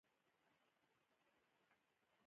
بې جنجاله ښکاره ده.